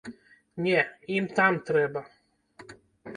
Не, ім там трэба!